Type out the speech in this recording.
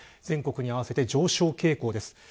全国に合わせて上昇傾向です。